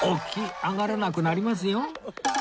上がれなくなりますよ